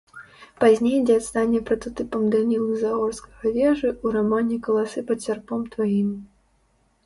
Пазней дзед стане прататыпам Данілы Загорскага-Вежы ў рамане «Каласы пад сярпом тваім».